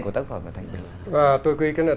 của tác phẩm này và tôi có nghĩ